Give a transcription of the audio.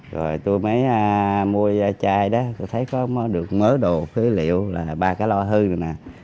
rồi tôi mới mua chai đó tôi thấy có được mớ đồ phế liệu là ba cái lo hư rồi nè